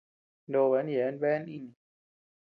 Noban yeabean bea niini.